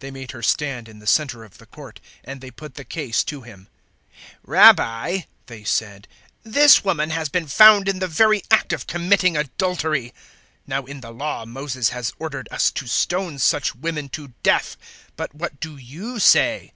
They made her stand in the centre of the court, and they put the case to Him. 008:004 "Rabbi," they said, "this woman has been found in the very act of committing adultery. 008:005 Now, in the Law, Moses has ordered us to stone such women to death. But what do you say?"